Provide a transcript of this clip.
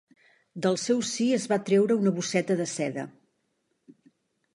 Del seu si es va treure una bosseta de seda.